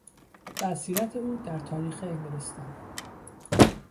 بصیرت او در تاریخ انگلستان